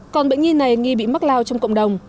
còn bệnh nhi này nghi bị mắc lao trong cộng đồng